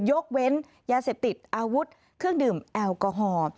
ยกเว้นยาเสพติดอาวุธเครื่องดื่มแอลกอฮอล์